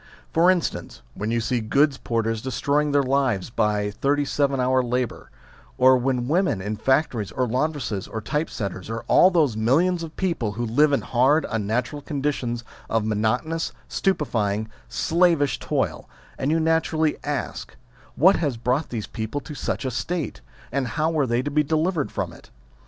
For instance, you see goods porters destroying their lives by thirty seven hour labour, or women 39 40 THE SLAVERY OF OUR TIMES in factories, or laundresses, or type setters, or all those millions of people who live in hard, unna tural conditions of monotonous, stupefying, slavish toil, and you naturally ask : what has brought these people to such a state ? and how are they to be delivered from it